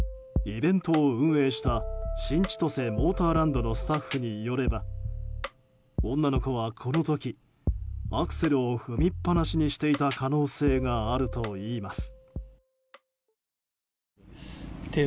イベントを運営した新千歳モーターランドのスタッフによれば女の子はこの時、アクセルを踏みっぱなしにしていた可能性があるといいます。